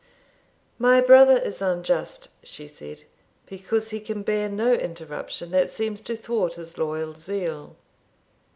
'My brother is unjust,' she said, 'because he can bear no interruption that seems to thwart his loyal zeal.'